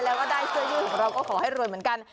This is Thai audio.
แล้วก็ได้เสื้อยืดของเราก็ขอให้รวยเหมือนกัน